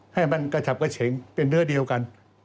ให้มันกระฉับกระเฉงเป็นเนื้อเดียวกัน